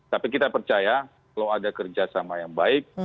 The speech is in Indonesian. tapi kita percaya kalau ada kerjasama yang baik